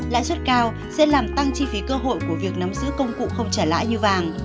lãi suất cao sẽ làm tăng chi phí cơ hội của việc nắm giữ công cụ không trả lãi như vàng